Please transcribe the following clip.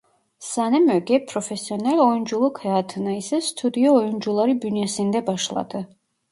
Sanem Öge profesyonel oyunculuk hayatına ise Stüdyo Oyuncuları bünyesinde başladı.